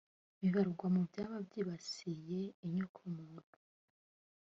bibarwa mu byaba byibasiye inyokomuntu